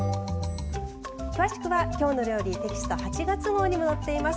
詳しくは「きょうの料理」テキスト８月号にも載っています。